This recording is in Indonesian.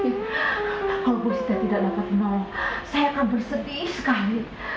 kalau bu sita tidak dapat menolong saya akan bersedih sekali